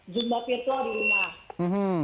jumlah virtual di rumah